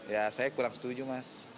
ya saya kurang setuju mas